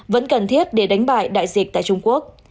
vẫn cần thiết để đánh bại đại dịch tại trung quốc